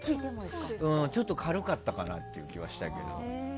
ちょっと軽かったかなっていう気がしたけど。